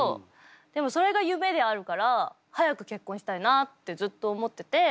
でもそれが夢であるから早く結婚したいなってずっと思ってて。